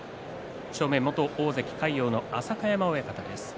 正面、元大関魁皇の浅香山親方です。